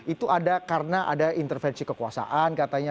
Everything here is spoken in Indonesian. itu ada karena ada intervensi kekuasaan katanya